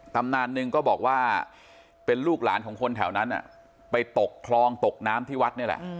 ตำนานหนึ่งก็บอกว่าเป็นลูกหลานของคนแถวนั้นไปตกคลองตกน้ำที่วัดนี่แหละ